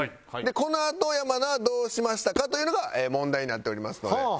このあと山名はどうしましたか？というのが問題になっておりますので。